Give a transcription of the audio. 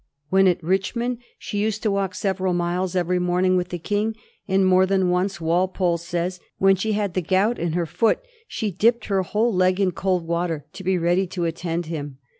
When at Richmond she used to walk several miles every morning with the King; and more than once, Walpole says, when she had the gout in her foot, she dipped her whole leg in cold water to be ready to attend him.